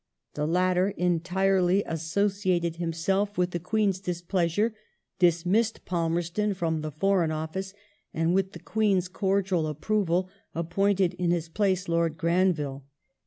The latter entirely associated himself with the Queen's displeasure, dismissed Palmerston from the Foreign Office, and, with the Queen's cordial approval, appointed in his place Lord Granville.